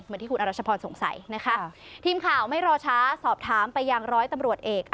เหมือนที่คุณอรัชพรสงสัยนะคะทีมข่าวไม่รอช้าสอบถามไปยังร้อยตำรวจเอก